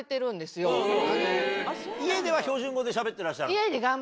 家では標準語でしゃべってらっしゃるの？